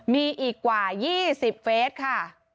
มีอีกกว่า๒๐เฟสค่ะ